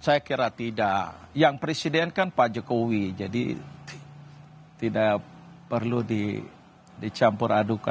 saya kira tidak yang presiden kan pak jokowi jadi tidak perlu dicampur adukan